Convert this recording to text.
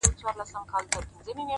وه ه ته به كله زما شال سې